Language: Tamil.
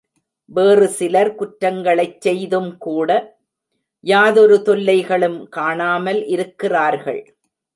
வேறுசிலர் குற்றங்களைச் செய்தும்கூட யாதொரு தொல்லைகளும் காணாமல் இருக்கிறார்கள்.